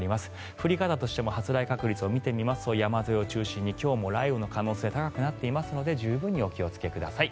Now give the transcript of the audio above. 降り方としても発雷確率を見てみますと山沿いを中心に今日も雷雨の可能性が高くなっていますので十分にお気をつけください。